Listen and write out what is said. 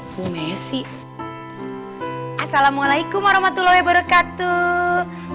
bu messi assalamualaikum warahmatullahi wabarakatuh